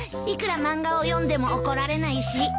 いくら漫画を読んでも怒られないし。